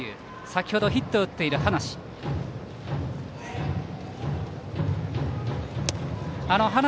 先程、ヒットを打っている端無。